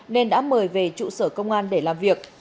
nên đã mời về trụ sở công an để làm việc